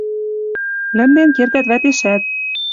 Лӹмден кердӓт вӓтешӓт...